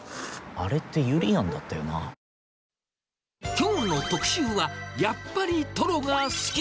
きょうの特集は、やっぱりトロが好き。